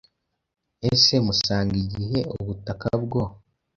Ese musanga igihe ubutaka bwo